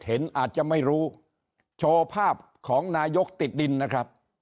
อาจจะไม่รู้โชว์ภาพของนายกติดดินนะครับ